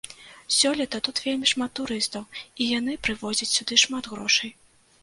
Сёлета тут вельмі шмат турыстаў, і яны прывозяць сюды шмат грошай.